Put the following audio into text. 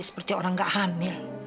seperti orang nggak hamil